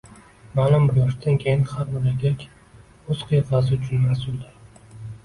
Ma’lum bir yoshdan keyin har bir erkak o’z qiyofasi uchun mas’uldir.